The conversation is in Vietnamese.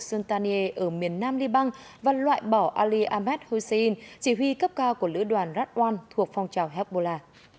suntaniye ở miền nam liban và loại bỏ ali ahmed hussein chỉ huy cấp cao của lữ đoàn ratwan thuộc phong trào hebbola